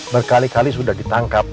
berkali kali sudah ditangkap